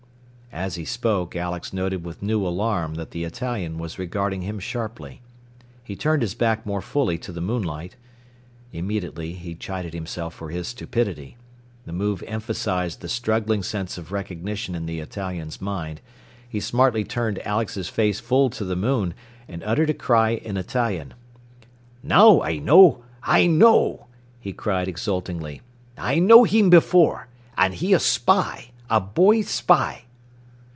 As he spoke Alex noted with new alarm that the Italian was regarding him sharply. He turned his back more fully to the moonlight. Immediately he chided himself for his stupidity. The move emphasized the struggling sense of recognition in the Italian's mind, he smartly turned Alex's face full to the moon, and uttered a cry in Italian. "Now I know! I know!" he cried exultingly. "I know heem before! And he a spy! A boy spy!"